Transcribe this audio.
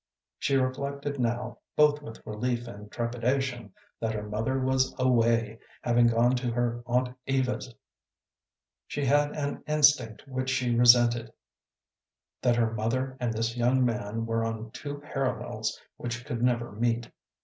She reflected now, both with relief and trepidation, that her mother was away, having gone to her aunt Eva's. She had an instinct which she resented, that her mother and this young man were on two parallels which could never meet.